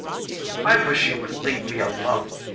'I wish you would leave me alone!